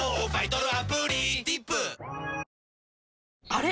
あれ？